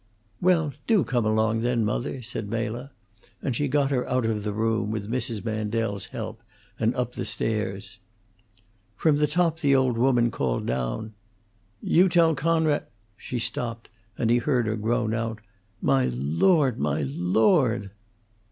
"Well, do come along, then, mother," said Mela; and she got her out of the room, with Mrs. Mandel's help, and up the stairs. From the top the old woman called down, "You tell Coonrod " She stopped, and he heard her groan out, "My Lord! my Lord!"